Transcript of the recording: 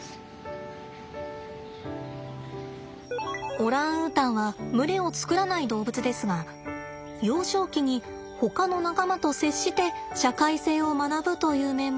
オランウータンは群れを作らない動物ですが幼少期にほかの仲間と接して社会性を学ぶという面もあります。